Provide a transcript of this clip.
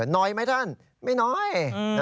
น้อยไหมท่านไม่น้อย